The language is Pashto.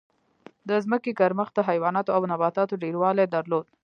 د ځمکې ګرمښت د حیواناتو او نباتاتو ډېروالی درلود.